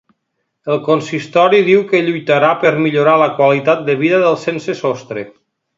El consistori diu que lluitarà per millorar la qualitat de vida dels sense sostre